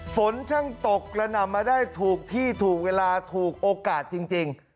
ฝนช่างตกกระหน่ำมาได้ถูกที่ถูกเวลาถูกโอกาสจริง